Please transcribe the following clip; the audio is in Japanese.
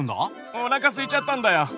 おなかすいちゃったんだよ。